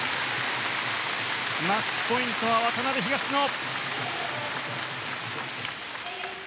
マッチポイントは渡辺、東野。